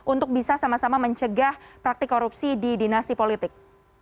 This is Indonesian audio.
untuk bisa sama sama mencegah praktik korupsi di dinasti politik